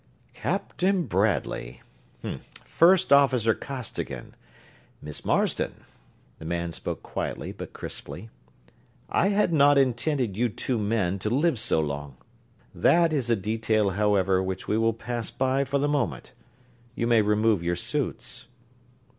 "Captain Bradley, First Officer Costigan, Miss Marsden," the man spoke quietly, but crisply. "I had not intended you two men to live so long. That is a detail, however, which we will pass by for the moment. You may remove your suits."